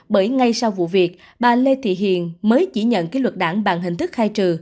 bởi ngay sau vụ việc bà lê thị hiền mới chỉ nhận kỷ luật đảng bằng hình thức khai trừ